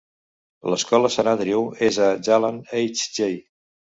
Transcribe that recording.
L'escola Saint Andrew és a Jalan Hj.